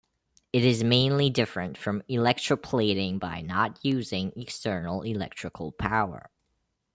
It is mainly different from electroplating by not using external electrical power.